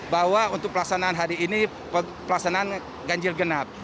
bahwa untuk pelaksanaan hari ini pelaksanaan ganjil genap